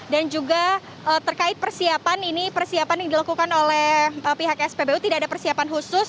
dan juga terkait persiapan ini persiapan yang dilakukan oleh pihak spbu tidak ada persiapan khusus